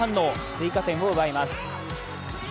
追加点を奪います。